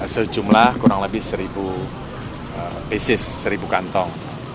sejumlah kurang lebih seribu pieces seribu kantong